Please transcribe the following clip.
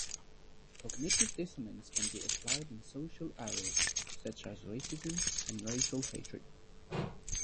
Cognitive dissonance can be applied in social areas such as racism and racial hatred.